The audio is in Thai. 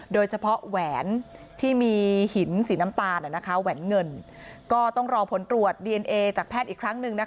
แหวนที่มีหินสีน้ำตาลแหวนเงินก็ต้องรอผลตรวจดีเอนเอจากแพทย์อีกครั้งหนึ่งนะคะ